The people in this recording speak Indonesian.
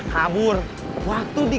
kamu risa kerja